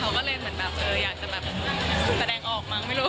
เขาก็เลยเหมือนแบบอยากจะแบบแสดงออกมั้งไม่รู้